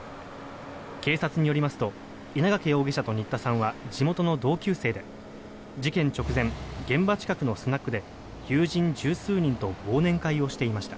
警察によりますと稲掛容疑者と新田さんは地元の同級生で事件直前、現場近くのスナックで友人１０数人と忘年会をしていました。